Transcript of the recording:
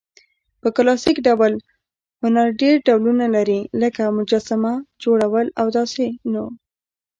په کلاسیک ډول هنرډېر ډولونه لري؛ لکه: مجسمه، جوړول او داسي...